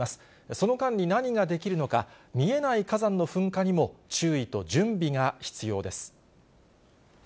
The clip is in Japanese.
その間に何ができるのか、見えない火山の噴火にも、注意と準備が必要です。